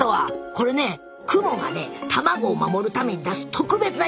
これねクモがね卵を守るために出す特別な糸。